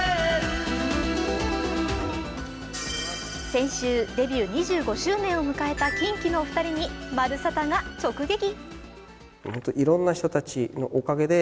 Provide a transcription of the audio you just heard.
先週、デビュー２５周年を迎えたキンキのお二人に「まるサタ」が直撃。